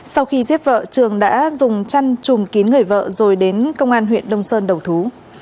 sau khi giết vợ trường đã dùng chăn chùm kín người vợ rồi đến công an huyện đông sơn đầu thú